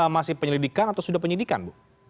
masih penyelidikan atau sudah penyelidikan